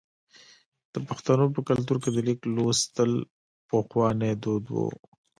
د پښتنو په کلتور کې د لیک لوستل پخوانی دود و.